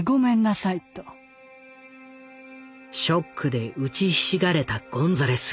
ショックで打ちひしがれたゴンザレス。